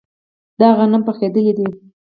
دا غنم پخیدلي دي.